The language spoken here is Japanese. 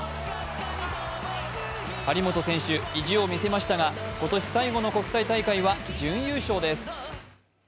張本選手、意地を見せましたが、今年最後の国際大会は準優勝です。